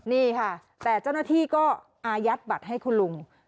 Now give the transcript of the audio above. นี่ค่ะแต่เจ้าหน้าที่ก็อายัดบัตรให้คุณลุง